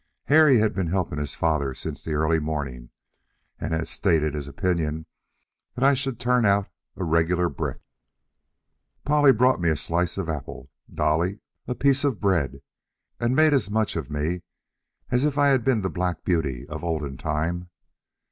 Harry had been helping his father since the early morning, and had stated his opinion that I should turn out "a regular brick." Polly brought me a slice of apple, and Dolly a piece of bread, and made as much of me as if I had been the Black Beauty of olden time.